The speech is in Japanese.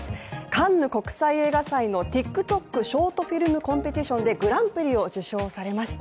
カンヌ国際映画祭のＴｉｋＴｏｋショートフィルムコンペティションでグランプリを受賞されました